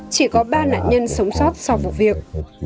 chỉ có ba nạn nhân sống sót sau vụ việc